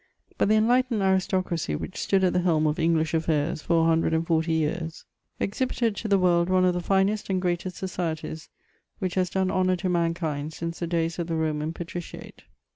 But the enlightened aristocracy which stood at tiie helm of English affairs for a hundred and forty years, exhibited to the world one of the finest and greatest societies which has done honour to mankind since tiie days of the Roman patriciate.